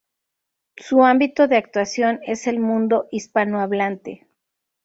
Su ámbito de actuación es el mundo hispanohablante.